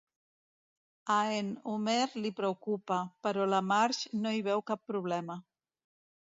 A en Homer li preocupa, però la Marge no hi veu cap problema.